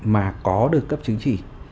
mà có được cấp chứng chỉ